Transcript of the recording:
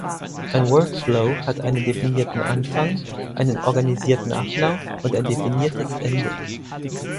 Ein Workflow hat einen definierten Anfang, einen organisierten Ablauf und ein definiertes Ende.